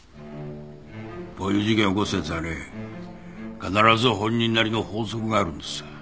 こういう事件起こすやつはね必ず本人なりの法則があるんです。